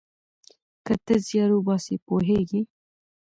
که ته زیار وباسې پوهیږې.